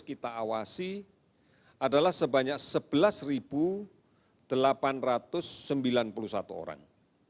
kita awasi adalah sebanyak sebelas delapan ratus sembilan puluh satu orang